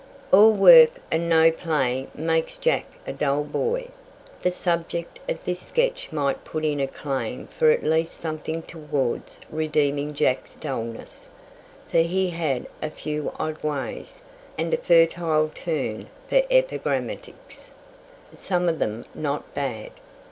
"All work and no play makes Jack a dull boy." The subject of this sketch might put in a claim for at least something towards redeeming Jack's dulness, for he had a few odd ways, and a fertile turn for epigrammatics, some of them not bad.